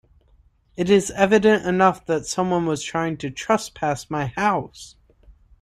It is evident enough that someone was trying to trespass my house.